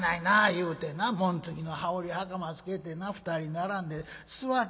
言うてな紋付きの羽織袴つけてな２人並んで座ってたんやがな。